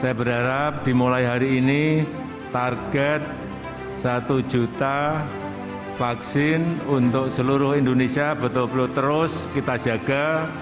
saya berharap dimulai hari ini target satu juta vaksin untuk seluruh indonesia betul betul terus kita jaga